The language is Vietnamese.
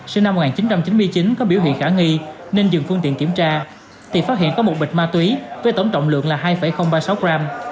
sinh năm một nghìn chín trăm chín mươi chín có biểu hiện khả nghi nên dừng phương tiện kiểm tra thì phát hiện có một bịch ma túy với tổng trọng lượng là hai ba mươi sáu gram